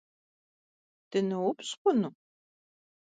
Dınoupş' xhunu?